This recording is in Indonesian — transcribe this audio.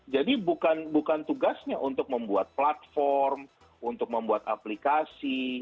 jadi bukan tugasnya untuk membuat platform untuk membuat aplikasi